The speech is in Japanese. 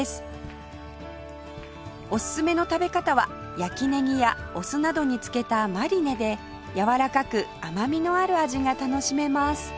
おすすめの食べ方は焼きネギやお酢などに漬けたマリネでやわらかく甘みのある味が楽しめます